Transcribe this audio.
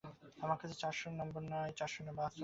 আমার কাছে চারশো নয় নম্বর যা, চারশো পাঁচও তা।